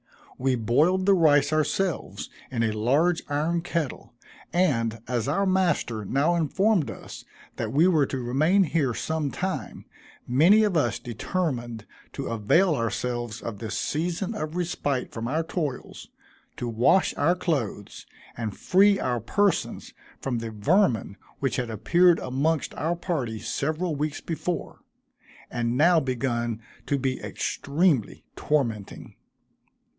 We boiled the rice ourselves, in a large iron kettle; and, as our master now informed us that we were to remain here some time, many of us determined to avail ourselves of this season of respite from our toils, to wash our clothes, and free our persons from the vermin which had appeared amongst our party several weeks before, and now begun to be extremely tormenting.